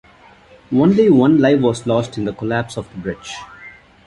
Only one life was lost in the collapse of the bridge.